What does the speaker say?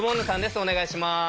お願いします。